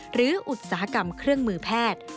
อุตสาหกรรมเครื่องมือแพทย์